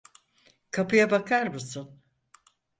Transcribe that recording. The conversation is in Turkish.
Kapıya bakar mısın?